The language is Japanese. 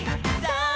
さあ